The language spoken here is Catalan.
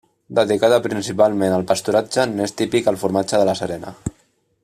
Dedicada principalment al pasturatge n'és típic el formatge de La Serena.